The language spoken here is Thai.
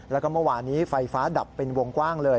แล้วก็เมื่อวานนี้ไฟฟ้าดับเป็นวงกว้างเลย